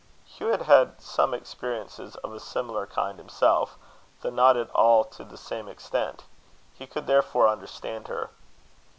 Hugh had had some experiences of a similar kind himself, though not at all to the same extent. He could therefore understand her.